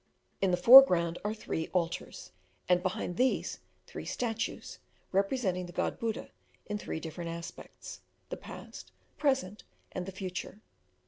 In the foreground are three altars, and behind these three statues, representing the God Buddha in three different aspects: the past, the present, and the future.